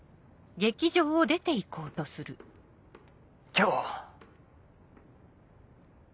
今日。